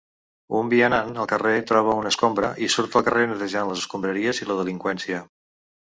Un vianant al carrer troba una escombra i surt al carrer netejant les escombraries i la delinqüència.